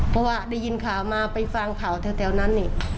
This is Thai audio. เพราะว่าได้ยินข่าวมาไปฟังข่าวแถวนั้นนี่